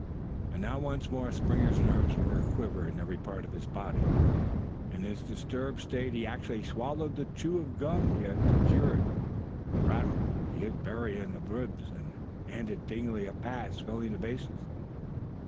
And now once more Springer's nerves were a quiver in every part of his body. In his disturbed state he actually swallowed the chew of gum he had procured. Rattled, he hit Berry in the ribs, and handed Dingley a pass, filling the bases.